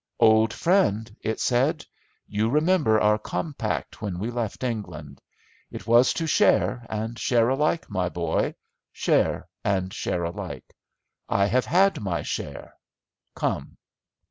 "Old Friend," it said, "you remember our compact when we left England. It was to be share and share alike, my boy—share and share alike. I have had my share. Come!"